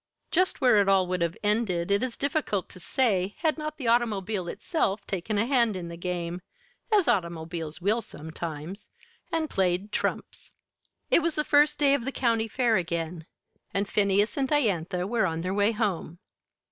Just where it all would have ended it is difficult to say had not the automobile itself taken a hand in the game as automobiles will sometimes and played trumps. It was the first day of the county fair again, and Phineas and Diantha were on their way home.